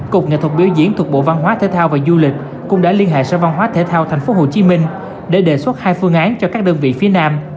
cục nghệ thuật biểu diễn thuộc bộ văn hóa thể thao và du lịch cũng đã liên hệ sở văn hóa thể thao tp hcm để đề xuất hai phương án cho các đơn vị phía nam